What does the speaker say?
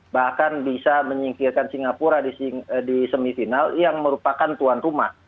bahkan bisa menyingkirkan singapura di semifinal yang merupakan tuan rumah